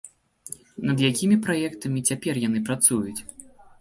Над якімі праектамі цяпер яны працуюць?